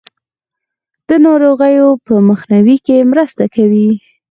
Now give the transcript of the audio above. د ناروغیو په مخنیوي کې مرسته کوي.